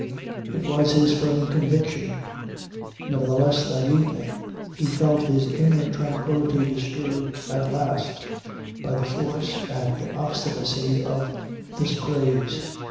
It was his firm conviction. Nevertheless, that evening, he felt his inner tranquillity disturbed at last by the force and obstinacy of this craze.